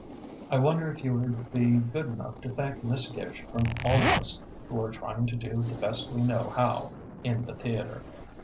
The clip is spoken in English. I wonder if you would be good enough to thank Miss Gish from all of us who are trying to do the best we know how in the theatre.